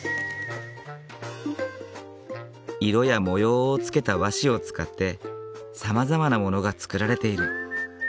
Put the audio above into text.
色や模様をつけた和紙を使ってさまざまなものが作られている。